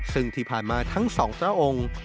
ซึ่งที่ผ่านมาทั้งสองพระองค์